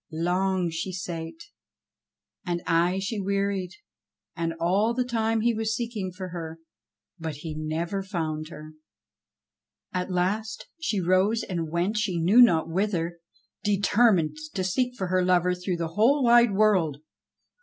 Long she sate, and aye she wearied ; and all the time he was seeking for her, but he never found her. At last she rose and went she knew not whither, deter mined to seek for her lover through the whole wide world.